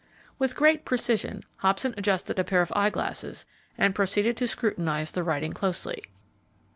With great precision, Hobson adjusted a pair of eyeglasses and proceeded to scrutinize the writing closely.